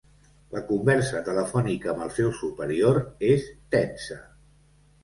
La conversa telefònica amb el seu superior és tensa.